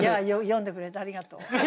読んでくれてありがとう。